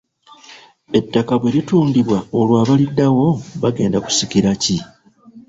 Ettaka bwe litundibwa olwo abaliddawo bagenda kusikira ki?